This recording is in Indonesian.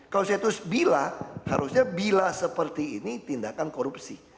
kalau saya terus bilang harusnya bila seperti ini tindakan korupsi